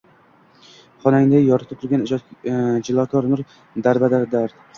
Xonangni yoritib turgan jilokor nur darpardalar.